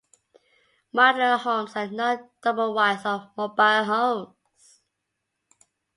Modular homes are not doublewides or mobile homes.